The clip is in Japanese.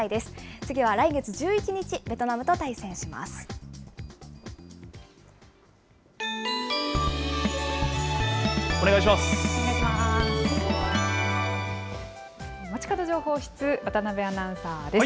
次は来月１１日、ベトナムと対戦します。